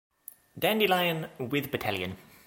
Dandelion with battalion